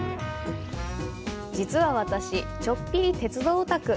実は私、ちょっぴり鉄道オタク。